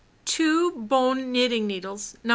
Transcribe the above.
Two bone knitting needles No.